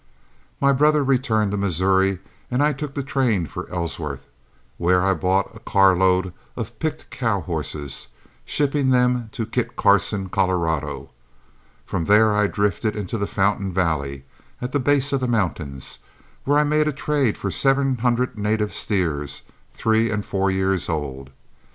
My brother returned to Missouri, and I took the train for Ellsworth, where I bought a carload of picked cow horses, shipping them to Kit Carson, Colorado. From there I drifted into the Fountain valley at the base of the mountains, where I made a trade for seven hundred native steers, three and four years old.